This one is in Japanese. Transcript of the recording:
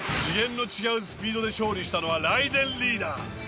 次元の違うスピードで勝利したのはライデンリーダー。